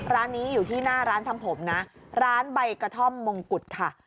ร้านนี้อยู่ที่หน้าร้านทำผมนะร้านใบกระท่อมมงกุฎค่ะ